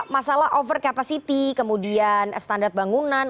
masalah over capacity kemudian standar bangunan